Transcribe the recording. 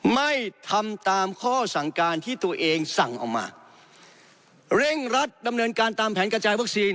ไม่ทำตามข้อสั่งการที่ตัวเองสั่งออกมาเร่งรัดดำเนินการตามแผนกระจายวัคซีน